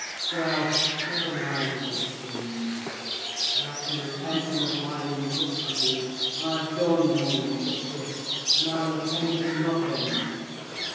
Well, never mind Mr. Green: as to repenting of my injustices, I've done no injustice, and I repent of nothing.